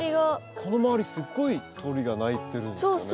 この周りすごい鳥が鳴いてるんですよね。